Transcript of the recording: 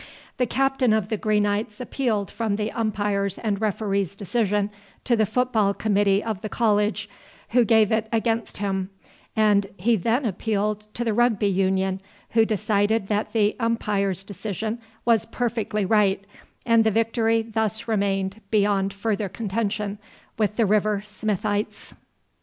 The captain of the Greenites appealed from the umpire's and referee's decision to the football committee of the college, who gave it against him, and he then appealed to the Rugby Union, who decided that the umpire's decision was perfectly right, and the victory thus remained beyond further contention with the River Smithites.